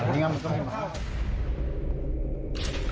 อย่างนั้นอย่างนั้น